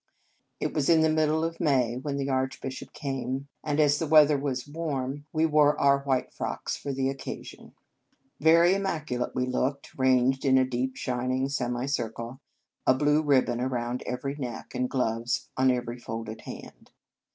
It was the middle of May when the Archbishop came, and, as the weather In Our Convent Days was warm, we wore our white frocks for the occasion. Very immaculate we looked, ranged in a deep, shin ing semicircle, a blue ribbon around every neck, and gloves on every folded hand.